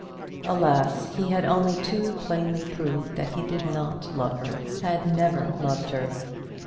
Alas! he had only too plainly proved that he did not love her, and had never loved her.